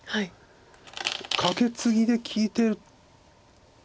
カケツギで利いてるかな。